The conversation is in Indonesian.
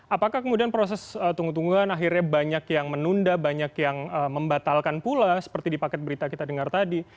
apakah kemudian proses tunggu tungguan akhirnya banyak yang menunda banyak yang membatalkan pula seperti di paket berita kita dengar tadi